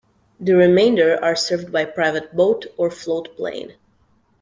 The remainder are served by private boat or float plane.